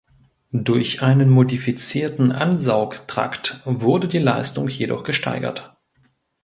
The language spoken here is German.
Durch einen modifizierten Ansaugtrakt wurde die Leistung jedoch gesteigert.